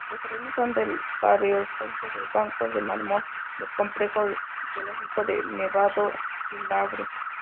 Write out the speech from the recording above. Los terrenos son del paleozoico con bancos de mármol del complejo geológico del Nevado-Filabre.